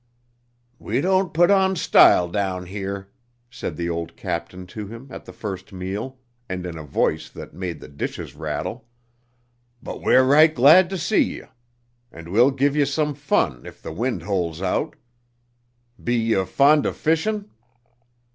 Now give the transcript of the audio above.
"We don't put on style down here," said the old captain to him at the first meal, and in a voice that made the dishes rattle, "but we're right glad to see ye, and we'll give ye some fun if the wind holds out. Be ye fond o' fishin'?"